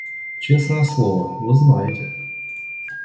Честное слово, вы знаете.